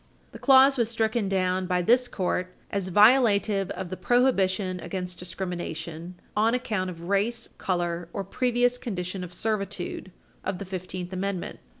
The clause was stricken down by this Court as violative of the prohibition against discrimination "on account of race, color or previous condition of servitude" of the Fifteenth Amendment.